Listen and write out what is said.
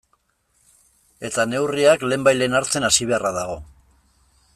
Eta neurriak lehenbailehen hartzen hasi beharra dago.